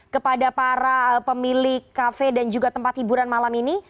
kepada para pemilik kafe dan juga tempat hiburan malam ini